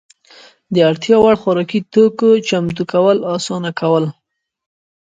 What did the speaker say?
د اړتیا وړ خوراکي توکو چمتو کول اسانه کول.